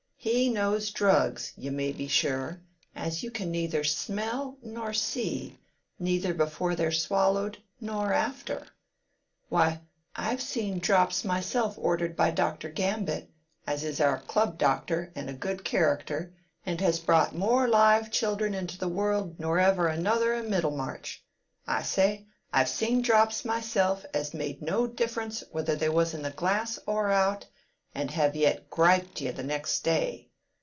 He knows drugs, you may be sure, as you can neither smell nor see, neither before they're swallowed nor after. Why, I've seen drops myself ordered by Doctor Gambit, as is our club doctor and a good charikter, and has brought more live children into the world nor ever another i' Middlemarch—I say I've seen drops myself as made no difference whether they was in the glass or out, and yet have griped you the next day.